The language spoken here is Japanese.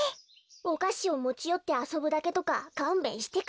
おかしをもちよってあそぶだけとかかんべんしてくれよ。